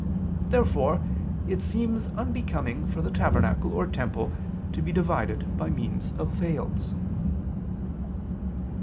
Therefore it seems unbecoming for the tabernacle or temple to be divided by means of veils.